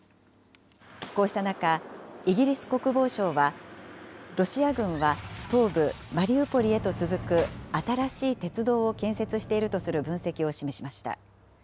こうした中、イギリス国防省は、ロシア軍は東部マリウポリへと続く新しい鉄道を建設しているとする分析を示しました。